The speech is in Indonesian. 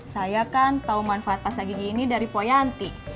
saya kan tahu manfaat pasta gigi ini dari poyanti